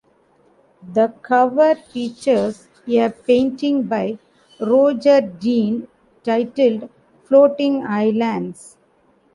The cover features a painting by Roger Dean titled "Floating Islands".